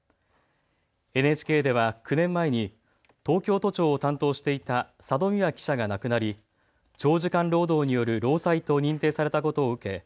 ＮＨＫでは９年前に東京都庁を担当していた佐戸未和記者が亡くなり長時間労働による労災と認定されたことを受け